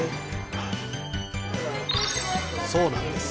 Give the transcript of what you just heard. そうなんです